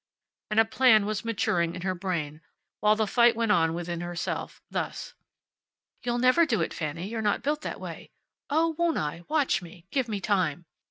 And a plan was maturing in her brain, while the fight went on within herself, thus: "You'll never do it, Fanny. You're not built that way." "Oh, won't I! Watch me! Give me time."